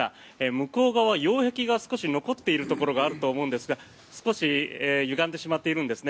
向こう側、擁壁が少し残っているところがあると思うんですが少しゆがんでしまっているんですね。